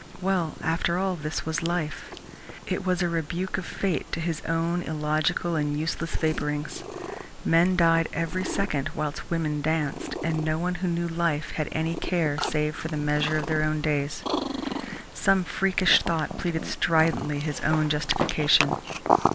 Well, after all, this was life. It was a rebuke of fate to his own illogical and useless vapourings. Men died every second whilst women danced, and no one who knew life had any care save for the measure of their own days. Some freakish thought pleaded stridently his own justification.